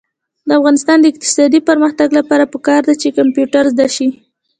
د افغانستان د اقتصادي پرمختګ لپاره پکار ده چې کمپیوټر زده شي.